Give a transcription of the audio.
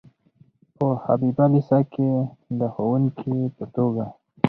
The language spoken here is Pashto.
په حبیبیه لیسه کې د ښوونکي په توګه.